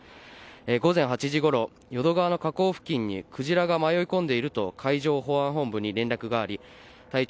午前８時ごろ淀川の河口付近にクジラが迷いこんでいると海上保安本部に連絡があり体長